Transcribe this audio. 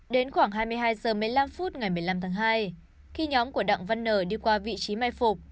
đến khoảng hai mươi hai h một mươi năm phút ngày một mươi năm tháng hai khi nhóm của đặng văn nờ đi qua vị trí mai phục